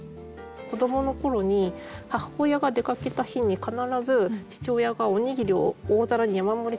子どもの頃に母親が出かけた日に必ず父親がおにぎりを大皿に山盛り作ってくれていて。